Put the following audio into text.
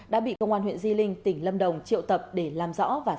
đã bị công an huyện di linh tỉnh lâm đồng triệu tập để làm